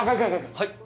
はい？